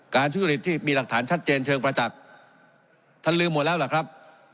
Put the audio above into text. การชุดฤทธิ์ที่มีหลักฐานชัดเจนเชิงประจักษ์ท่านลืมหมดแล้วหรือครับ